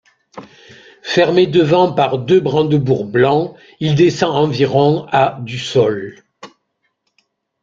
Fermé devant par deux brandebourgs blancs, il descend environ à du sol.